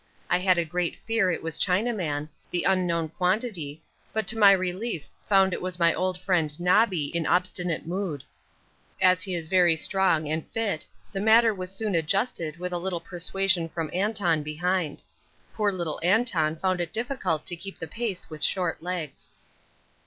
I had a great fear it was Chinaman, the unknown quantity, but to my relief found it was my old friend 'Nobby' in obstinate mood. As he is very strong and fit the matter was soon adjusted with a little persuasion from Anton behind. Poor little Anton found it difficult to keep the pace with short legs.